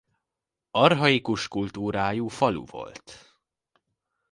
Archaikus kultúrájú falu volt.